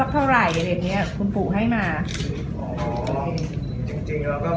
แต่ยังไม่ได้ให้เลยครับ